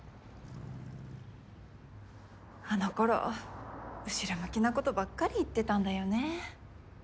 あのころ後ろ向きなことばっかり言ってたんだよね。